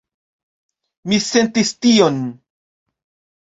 Mi sentis tion.